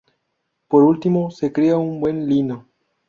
Por último se cría un buen lino.